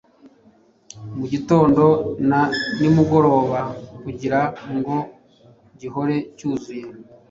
mu gitondo na nimugoroba, kugira ngo gihore cyuzuye,